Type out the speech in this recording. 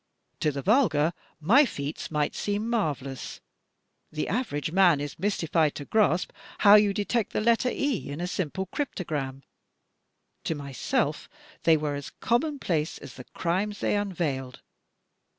To the vulgar, my feats might seem marvelous — ^the average man is mystified to grasp how you detect the letter *e' in a simple crypto gram — to myself they were as commonplace as the crimes they unveiled.